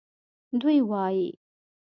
دوی وایي